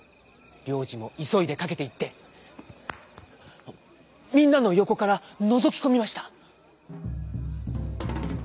りょうじもいそいでかけていってみんなのよこからのぞきこみました。